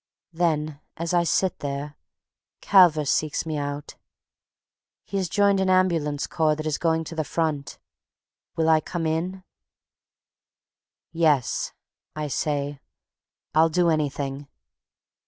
Then, as I sit there, Calvert seeks me out. He has joined an ambulance corps that is going to the Front. Will I come in? "Yes," I say; "I'll do anything."